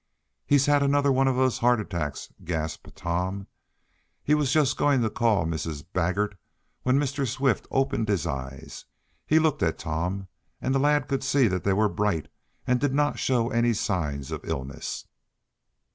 "He's had another of those heart attacks!" gasped Tom. He was just going to call Mrs. Baggert, when Mr. Swift opened his eyes. He looked at Tom, and the lad could see that they were bright, and did not show any signs of illness.